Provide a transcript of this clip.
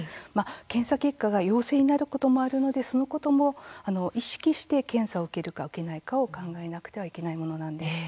検査結果が陽性になることもあるのでそのことも意識して検査を受けるか、受けないかを考えなくてはいけないものなんです。